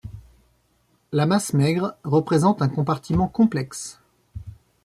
La masse maigre représente un compartiment complexe.